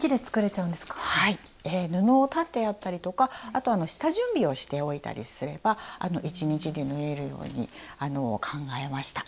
布を裁ってあったりとかあと下準備をしておいたりすれば１日で縫えるようにあの考えました。